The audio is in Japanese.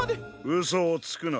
うそをつくな。